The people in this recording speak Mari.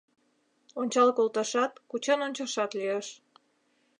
Ончал колташат, кучен ончашат лиеш.